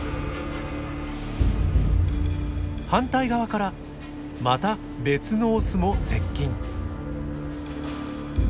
反対側からまた別のオスも接近。